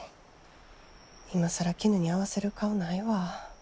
今更キヌに合わせる顔ないわ。